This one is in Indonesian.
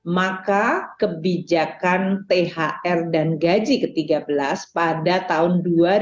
maka kebijakan thr dan gaji ke tiga belas pada tahun dua ribu dua puluh